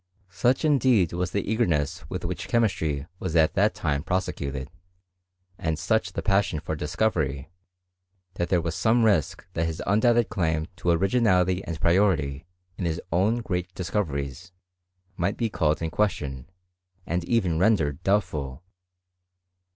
Such indeed was the eager— ^ ness with which chemistry was at that time prosecuted.^, and such the passion for discovery, that there wa^ some risk that his undoubted claim to originality and priority in his own great discoveries, might bis called in question, and even rendered doubtful.